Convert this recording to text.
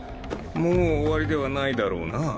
もう終わりではないだろうな？